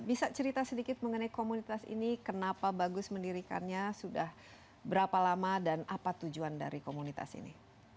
bisa cerita sedikit mengenai komunitas ini kenapa bagus mendirikannya sudah berapa lama dan apa tujuan dari komunitas ini